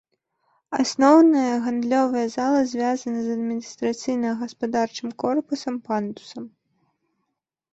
Асноўная гандлёвая зала звязана з адміністрацыйна-гаспадарчым корпусам пандусам.